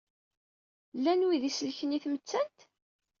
Llan wid i iselken i tmettant?